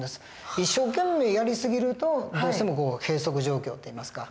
一生懸命やり過ぎるとどうしても閉塞状況っていいますか。